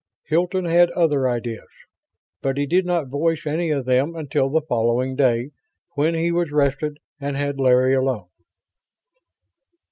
Hilton had other ideas, but he did not voice any of them until the following day, when he was rested and had Larry alone.